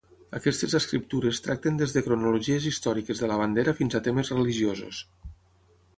Aquestes escriptures tracten des de cronologies històriques de la bandera fins a temes religiosos.